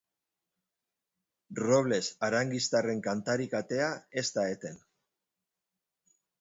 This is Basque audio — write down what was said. Robles-Arangiztarren kantari katea ez da eten.